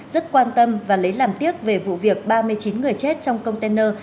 rất quan tâm và lấy làm tiếc về vụ việc ba mươi chín người chết trong container